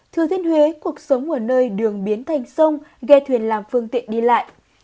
thừa thiên huế cuộc sống ở nơi đường biến thành sông ghe thuyền làm phương tiện đi lại